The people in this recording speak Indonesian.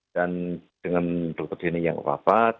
dan dengan dr denny yang wafat